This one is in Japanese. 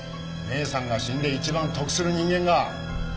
姉さんが死んで一番得する人間が。